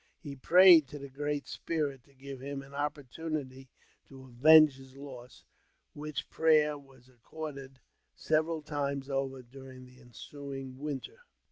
He prayed to the Great Spirit to give him an opportunity to avenge his loss, which prayer was accorded several times over during the ensuing winter.